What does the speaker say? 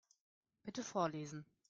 Bitte vorlesen.